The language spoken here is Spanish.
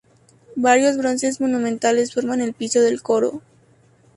Varios bronces monumentales forman el piso del coro.